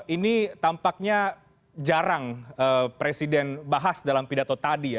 ini tampaknya jarang presiden bahas dalam pidato tadi ya